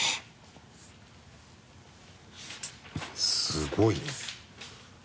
すごいね。